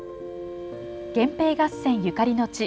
源平合戦ゆかりの地